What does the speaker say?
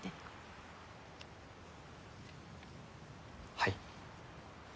はい。